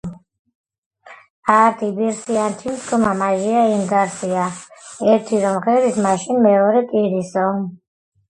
ართი იბირსინი თიწკჷმა მაჟია ინგარსია."ერთი რომ მღერის მაშინ მეორე ტირისო."